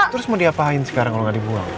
terus mau diapain sekarang kalau nggak dibuang